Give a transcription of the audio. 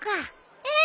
うん！